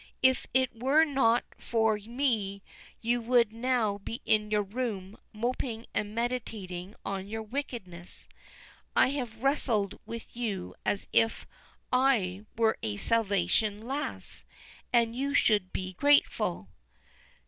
If it were not for me, you would now be in your room moping and meditating on your wickedness. I have wrestled with you as if I were a Salvation lass, and so you should be grateful."